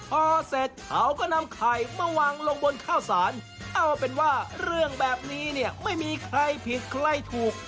พอเสร็จเขาก็นำไข่มาวางลงบนข้าวสารเอาเป็นว่าเรื่องแบบนี้เนี่ยไม่มีใครผิดใครถูก